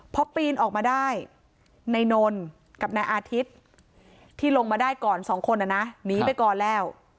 พอปีนออกมาได้นายนนกับนายอาทิตย์ที่ลงมาได้ก่อน๒คนหนีไปก่อนแล้ว